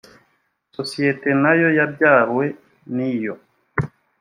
sosiyete na yo yabyawe n iyo